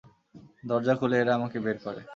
দরজা খুলে এরা আমাকে বের করে।